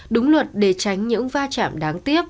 đúng luật để tránh những va trạm đáng tiếc